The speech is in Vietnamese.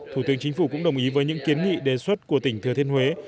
thủ tướng chính phủ cũng đồng ý với những kiến nghị đề xuất của tỉnh thừa thiên huế